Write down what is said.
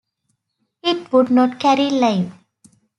It would not carry Live!